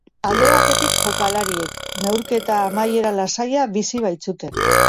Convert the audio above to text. Alde batetik jokalariek, neurketa amaiera lasaia bizi baitzuten.